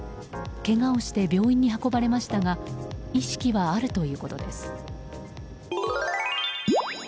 けがをして病院に運ばれましたが意識はあるということです。